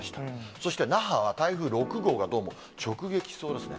そして那覇は台風６号が、どうも直撃しそうですね。